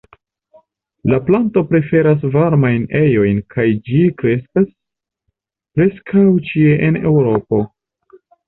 La planto preferas varmajn ejojn kaj ĝi kreskas preskaŭ ĉie en Eŭropo.